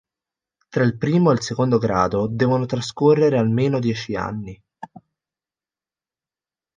Tra il primo e il secondo grado devono trascorrere almeno dieci anni.